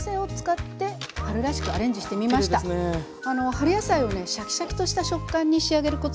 春野菜をねシャキシャキとした食感に仕上げるコツをね